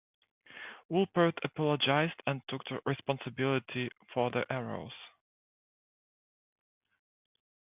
Wolpert apologized and took responsibility for the errors.